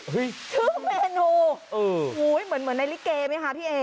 เฮ้ยชื่อเมนูเอออุ้ยเหมือนเหมือนในลิเกย์ไหมฮะพี่เอ